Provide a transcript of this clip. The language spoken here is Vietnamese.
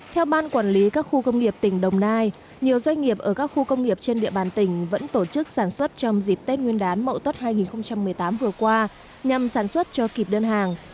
theo ban quản lý các khu công nghiệp tỉnh đồng nai nhiều doanh nghiệp ở các khu công nghiệp trên địa bàn tỉnh vẫn tổ chức sản xuất trong dịp tết nguyên đán mậu tuất hai nghìn một mươi tám vừa qua nhằm sản xuất cho kịp đơn hàng